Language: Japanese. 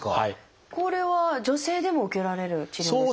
これは女性でも受けられる治療ですか？